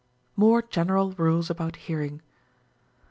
More General Rules about Hearing.